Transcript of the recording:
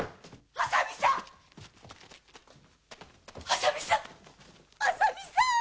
浅見さん浅見さん！